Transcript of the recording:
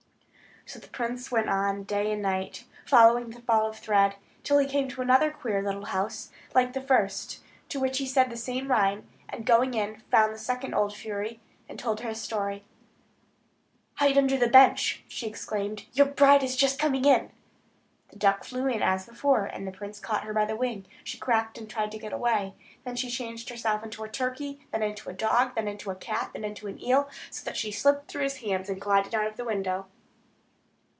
So the prince went on day and night, following the ball of thread, till he came to another queer little house, like the first, to which he said the same rhyme, and going in, found the second old fury, and told her his story. "Hide under the bench," she exclaimed; "your bride is just coming in." The duck flew in, as before, and the prince caught her by the wing; she quacked, and tried to get away. Then she changed herself into a turkey, then into a dog, then into a cat, then into an eel, so that she slipped through his hands, and glided out of the window.